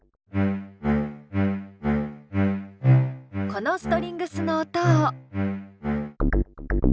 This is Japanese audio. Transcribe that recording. このストリングスの音を。